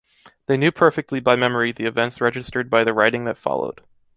They knew perfectly by memory the events registered by the writing that followed.